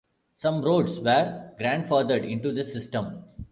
Some roads were grandfathered into the system.